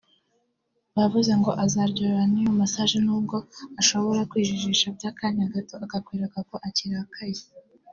Bivuze ngo azaryoherwa n’iyo massage n’ubwo ashobora kwijijisha by’akanya gato akakwereka ko akirakaye